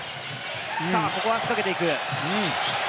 ここは仕掛けていく。